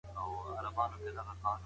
راځئ چې يو شو.